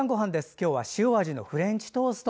今日は塩味のフレンチトースト。